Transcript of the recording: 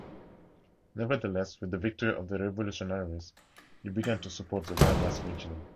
Nevertheless, with the victory of the revolutionaries, he began to support the Vargas regime.